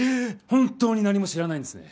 本当に何も知らないんですね？